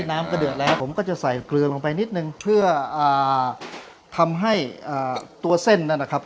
น้ำก็เดือดแล้วผมก็จะใส่เกลือลงไปนิดนึงเพื่อทำให้ตัวเส้นนั้นนะครับ